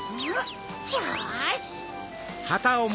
よし！